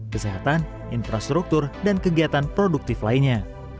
kesehatan infrastruktur dan kegiatan produktif lainnya